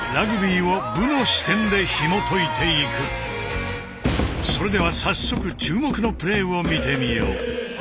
今回はそれでは早速注目のプレーを見てみよう。